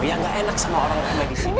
ya gak enak sama orang orang disini